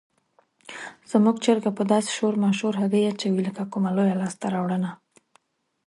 زموږ چرګه داسې په شور ماشور هګۍ اچوي لکه کومه لویه لاسته راوړنه.